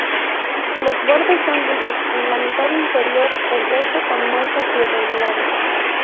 Los bordes son lisos en la mitad inferior, el resto con muescas irregulares.